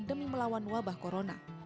demi melawan wabah corona